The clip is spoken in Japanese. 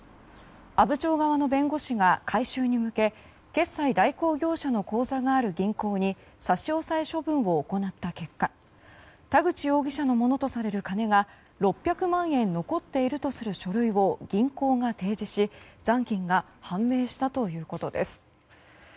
阿武町側の弁護士が回収に向け決済代行業者の口座がある銀行に差し押さえ処分を行った結果田口容疑者のものとされる金が６００万円残っているとする書類を銀行が提示し残金が判明したということです。